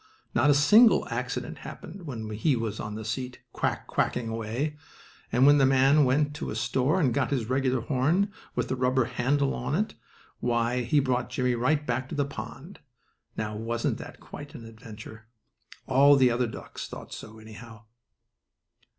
Not a single accident happened when he was on the seat, "quack quacking" away, and when the man went to a store and got his regular horn, with the rubber handle to it, why, he brought Jimmie right back to the pond. Now, wasn't that quite an adventure? All the other ducks thought so anyhow.